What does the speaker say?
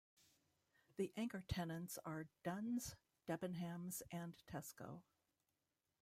The anchor tenants are Dunnes, Debenhams and Tesco.